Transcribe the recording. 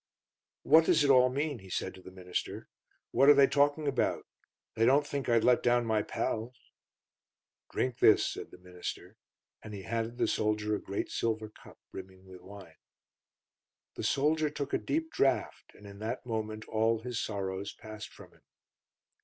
"What does it all mean?" he said to the minister. "What are they talking about? They don't think I'd let down my pals?" "Drink this," said the minister, and he handed the soldier a great silver cup, brimming with wine. The soldier took a deep draught, and in that moment all his sorrows passed from him.